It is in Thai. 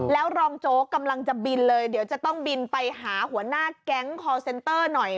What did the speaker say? แล้วรองโจ๊กกำลังจะบินเลยเดี๋ยวจะต้องบินไปหาหัวหน้าแก๊งคอร์เซนเตอร์หน่อย